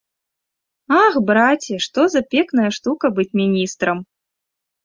Ах, браце, што за пекная штука быць міністрам!